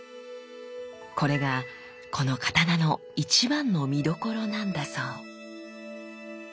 これがこの刀の一番の見どころなんだそう。